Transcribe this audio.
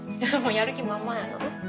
やる気満々やな。